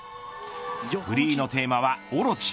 フリーのテーマはオロチ。